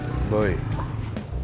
itu masalah amin bukan masalah imas